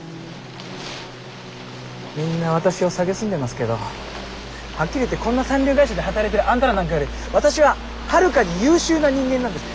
みんな私を蔑んでますけどはっきり言ってこんな三流会社で働いてるあんたらなんかより私ははるかに優秀な人間なんです。